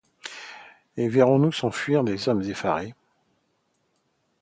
Et verrons-nous s’enfuir des hommes effarés.